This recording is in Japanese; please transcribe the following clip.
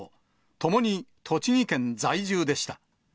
ともに栃木県在住でした。